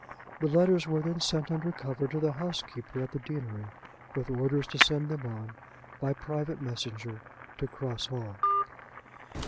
The letters were then sent under cover to the housekeeper at the deanery, with orders to send them on by private messenger to Cross Hall.